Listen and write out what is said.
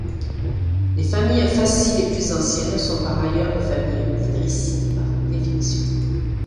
Les familles fassis les plus anciennes sont par ailleurs les familles idrissides par définition.